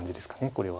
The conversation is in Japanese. これは。